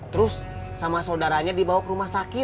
terus sama saudaranya dibawa ke rumah sakit